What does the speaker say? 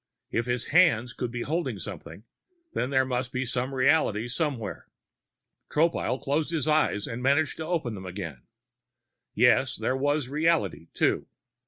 If his hands could be holding something, then there must be some reality somewhere. Tropile closed his eyes and managed to open them again. Yes, there was reality, too.